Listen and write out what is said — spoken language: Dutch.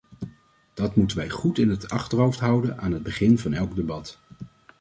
Dat moeten wij goed in het achterhoofd houden aan het begin van elk debat.